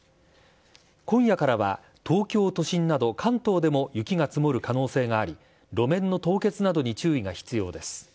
今夜からは、東京都心など関東でも雪が積もる可能性があり、路面の凍結などに注意が必要です。